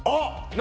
何？